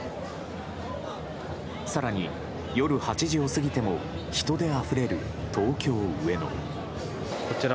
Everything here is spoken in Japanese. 更に夜８時を過ぎても人であふれる東京・上野。